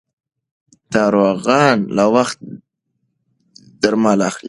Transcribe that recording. ناروغان له وخته درمل اخلي.